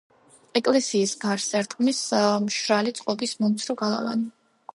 ეკლესიას გარს ერტყმის მშრალი წყობის მომცრო გალავანი.